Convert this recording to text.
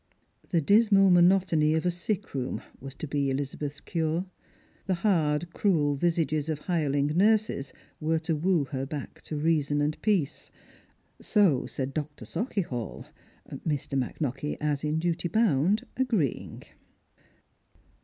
The dismal monotony of a sick room was to be Ehzabeth's cure ; the hard cruel visages of hireling nurses were to woo her back to reason and jjeace : BO said Dr. Sauchiehall, Mr. McKnockie, as in duty bound. Agreeing.